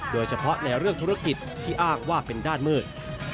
โดยเฉพาะในเรื่องธุรกิจที่อ้างว่าเป็นด้านมืด